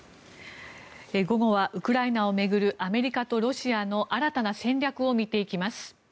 午後はウクライナを巡るアメリカとロシアの新たな戦略を見ていきます。